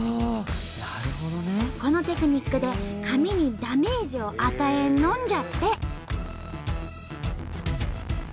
このテクニックで紙にダメージを与えんのんじゃって。